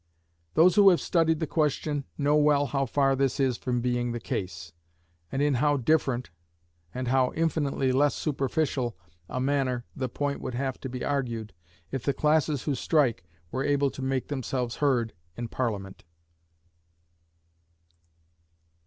Those who have studied the question know well how far this is from being the case, and in how different, and how infinitely less superficial a manner the point would have to be argued, if the classes who strike were able to make themselves heard in Parliament.